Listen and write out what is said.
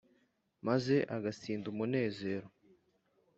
Maze agasinda umunezero,